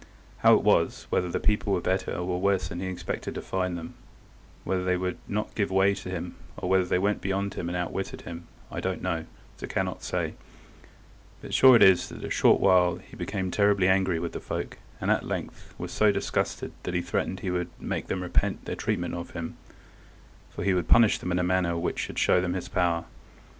How it was, whether the people were better or were worse than he expected to find them, whether they would not give way to him, or whether they went beyond him and outwitted him, I don't know, and so cannot say; but sure it is that in a short while he became terribly angry with the folk, and at length was so disgusted that he threatened he would make them repent their treatment of him, for he would punish them in a manner which should show them his power.